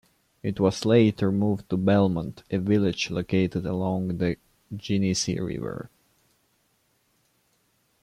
It was later moved to Belmont, a village located along the Genesee River.